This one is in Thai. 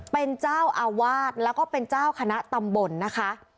เป็นเจ้าอาวาสแล้วก็เป็นเจ้าคณะตำบลนะคะ